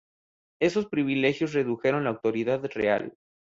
Esos privilegios redujeron la autoridad real.